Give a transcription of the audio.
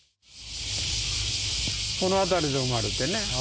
この辺りで生まれてね。